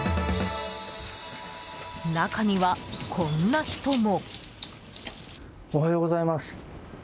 中には、こんな人も。